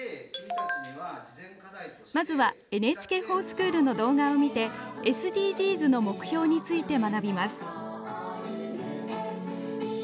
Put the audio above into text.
まずは「ＮＨＫｆｏｒＳｃｈｏｏｌ」の動画を見てＳＤＧｓの目標について学びます。